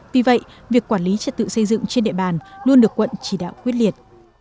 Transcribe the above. vì vậy việc quản lý trật tự xây dựng trên địa bàn luôn được quận chỉ đạo quyết liệt